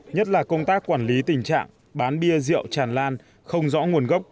nhất là công tác quản lý tình trạng bán bia rượu tràn lan không rõ nguồn gốc